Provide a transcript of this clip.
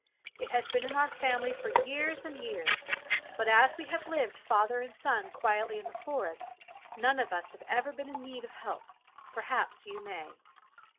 It has been in our family for years and years ; but, as we have lived, father and son, quietly in the forest, none of us have ever been in need of help — perhaps you may."